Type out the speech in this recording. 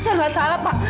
saya tidak salah pak